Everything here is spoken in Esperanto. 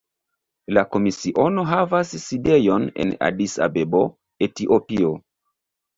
La Komisiono havas sidejon en Adis-Abebo, Etiopio.